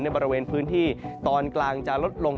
บริเวณพื้นที่ตอนกลางจะลดลง